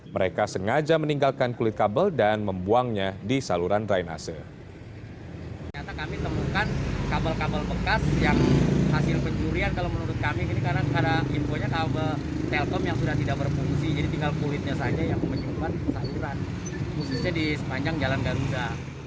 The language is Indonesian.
mereka sengaja meninggalkan kulit kabel dan membuangnya di saluran drainase